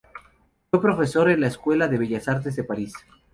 Fue profesor en la Escuela de Bellas Artes de París.